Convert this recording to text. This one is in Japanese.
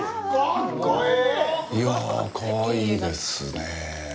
いやぁ、かわいいですね。